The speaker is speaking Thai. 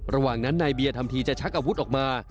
ระหว่างนั้นนายเบียร์ทำทีจะชักอาวุธออกมา